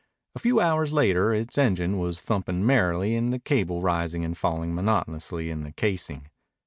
A few hours later its engine was thumping merrily and the cable rising and falling monotonously in the casing.